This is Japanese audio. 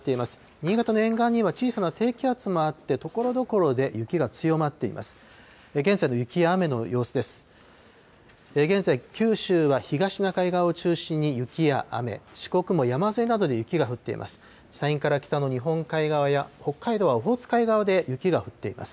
新潟の沿岸には小さな低気圧もあって、ところどころで雪が強まっています。